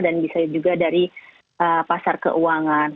dan bisa juga dari pasar keuangan